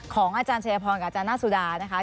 ของอาจารย์ชัยพรกับอาจารย์หน้าสุดานะคะ